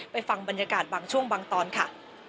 ฟังบรรยากาศบางช่วงบางตอนค่ะ